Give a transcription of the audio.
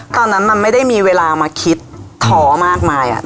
ตอนนั้นมันไม่ได้มีเวลามาคิดท้อมากมาย